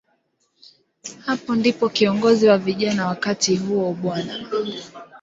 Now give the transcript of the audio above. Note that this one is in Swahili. Hapo ndipo kiongozi wa vijana wakati huo, Bw.